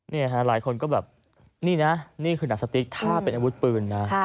หลายคนก็แบบนี่นะนี่คือหนังสติ๊กถ้าเป็นอาวุธปืนนะ